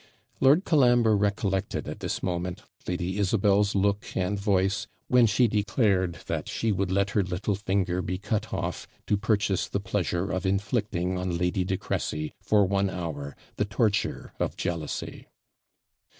Lord Colambre recollected at this moment Lady Isabel's look and voice, when she declared that 'she would let her little finger be cut off to purchase the pleasure of inflicting on Lady de Cresey, for one hour, the torture of jealousy.'